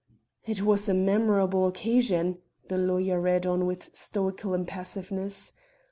"It was a memorable occasion," the lawyer read on with stoical impassiveness.